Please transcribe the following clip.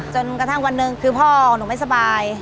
จนกระทั่งวันหนึ่งคือพ่อของหนูไม่สบาย